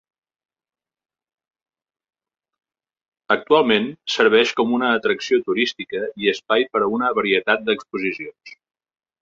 Actualment serveix com una atracció turística i espai per a una varietat d'exposicions.